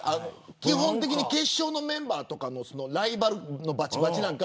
基本的に決勝のメンバーとかライバルのばちばちなのか